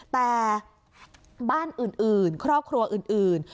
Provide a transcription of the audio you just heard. แต่บ้านอื่นครอบครัวอื่น